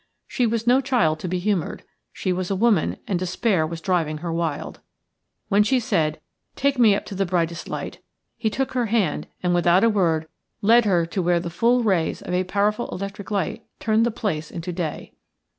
She was no child to be humoured; she was a woman and despair was driving her wild. When she said, "Take me up to the brightest light," he took her hand without a word and led her to where the full rays of a powerful electric light turned the place into day.